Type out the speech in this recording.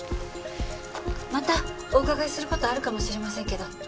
またお伺いする事あるかもしれませんけど。